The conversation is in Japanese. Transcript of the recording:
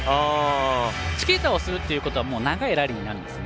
チキータをするっていうことは長いラリーになるんですね。